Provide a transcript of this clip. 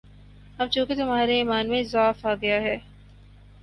اب چونکہ تمہارے ایمان میں ضعف آ گیا ہے،